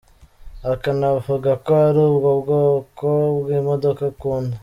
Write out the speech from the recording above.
Akanavuga ko ari bwo bwoko bw’imodoka akunda.